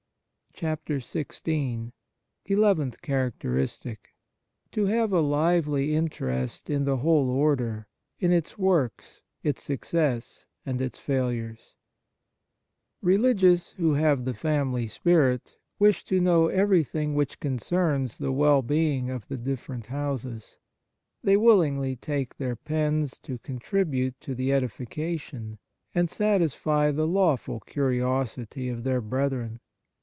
XVI ELEVENTH CHARACTERISTIC To have a lively interest in the whole Order, in its works, its success, and its failures RELIGIOUS who have the family spirit wish to know everything which concerns the well being of the different houses. They willingly take their pens to contribute to the edifica tion and satisfy the lawful curiosity of their brethren.